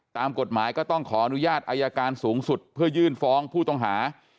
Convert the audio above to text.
ตามกฎหมายก็ต้องขออนุญาตอายการสูงสุดเพื่อยื่นฟ้องผู้ต้องหา